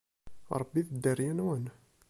Rebbit dderya-nwen!